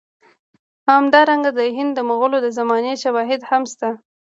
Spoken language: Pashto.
همدارنګه د هند د مغولو د زمانې شواهد هم شته.